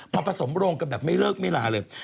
ผสมโรงกันแบบไม่เลิกไม่ลาเลย